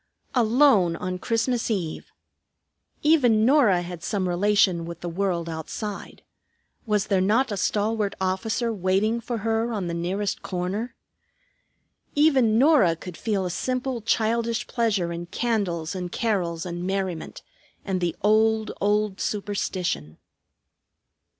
Alone on Christmas Eve! Even Norah had some relation with the world outside. Was there not a stalwart officer waiting for her on the nearest corner? Even Norah could feel a simple childish pleasure in candles and carols and merriment, and the old, old superstition.